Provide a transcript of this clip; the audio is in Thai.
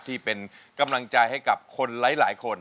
ที่เป็นกำลังใจให้กับคนหลายคน